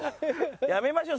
やめましょう。